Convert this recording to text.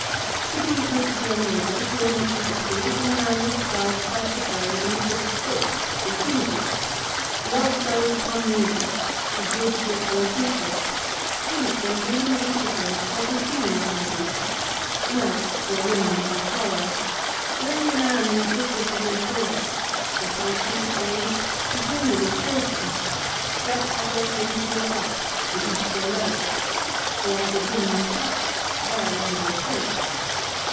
To be good to your neighbours will make you happy in the manner described by Cicero in the fifth book " De Finibus." Love those who come near you. Be good to your fellow creatures. Think when dealing with each of them what his feelings may be. Melt to a woman in her sorrow. Lend a man the assistance of your shoulder. Be patient with age. Be tender with children. Let others drink of your cup and eat of your loaf. Where the wind cuts, there lend your cloak.